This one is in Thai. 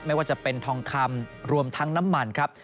ไม่ว่าจะเป็นทองคำรวมทั้งน้ำมันครับ